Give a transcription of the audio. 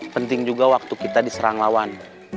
penting juga waktu kita diserang lawan